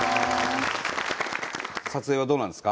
撮影はどうなんですか？